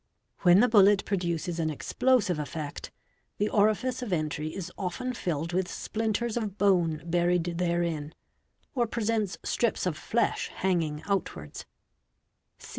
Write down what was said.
When the bullet produces an explosive effect, the orifice of entry is often filled _ with splinters of bone buried therein, or presents strips of flesh hanging outwards.